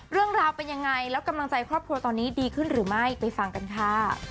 เรื่องราวเป็นยังไงแล้วกำลังใจครอบครัวตอนนี้ดีขึ้นหรือไม่ไปฟังกันค่ะ